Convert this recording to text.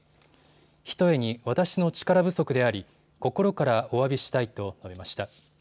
ひとえに私の力不足であり、心からおわびしたいと述べました。